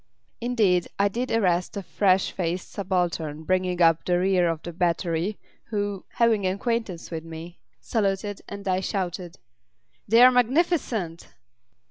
Indeed, I did arrest a fresh faced subaltern bringing up the rear of the battery who, having acquaintance with me, saluted, and I shouted: "They're magnificent!"